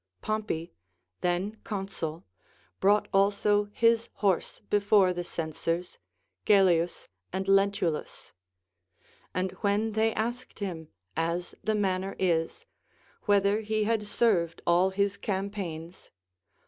Pompey, then consul, brought also his horse before the censors, Gellius and Lentulus ; and ^γhen they asked him, as the manner is, ^\'hether he had served all his campaigns.